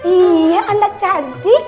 iya pandang cantik